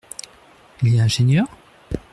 Il est ingénieur ?